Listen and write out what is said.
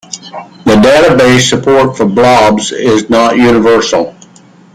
Database support for blobs is not universal.